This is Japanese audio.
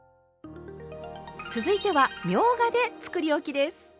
続いてはみょうがでつくりおきです！